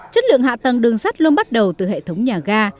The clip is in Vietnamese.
chất lượng hạ tầng đường sắt luôn bắt đầu từ hệ thống nhà ga